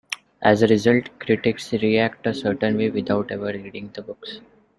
As a result, critics react a certain way without ever reading the books.